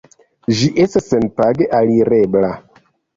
Ĝi estas senpage alirebla.